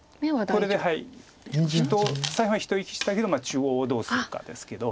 これで左辺は一息したけど中央をどうするかですけど。